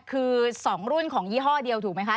คือ๒รุ่นของยี่ห้อเดียวถูกไหมคะ